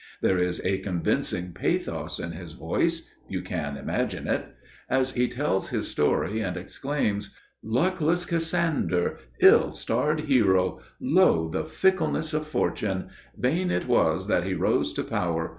There is a convincing pathos in his voice—you can imagine it!—as he tells his story and exclaims: "Luckless Cassander! ill starred hero! Lo! the fickleness of fortune! Vain it was that he rose to power.